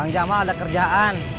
kang jamal ada kerjaan